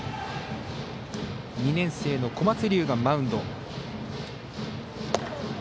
２年生の小松龍生がマウンド。